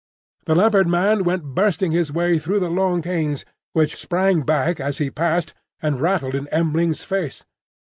The Leopard man went bursting his way through the long canes, which sprang back as he passed, and rattled in M'ling's face.